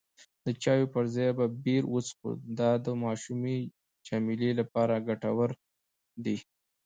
د چایو پر ځای به بیر وڅښو، دا د ماشومې جميله لپاره ګټور دی.